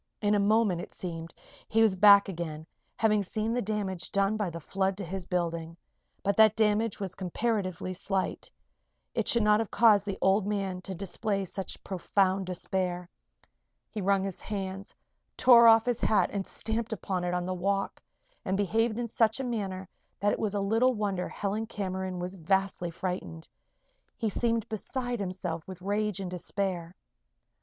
In a moment, it seemed, he was back again, having seen the damage done by the flood to his building. But that damage was comparatively slight. It should not have caused the old man to display such profound despair. He wrung his hands, tore off his hat and stamped upon it on the walk, and behaved in such a manner that it was little wonder Helen Cameron was vastly frightened. He seemed beside himself with rage and despair.